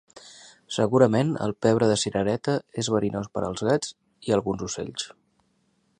Segurament, el pebre de cirereta és verinós per als gats i alguns ocells.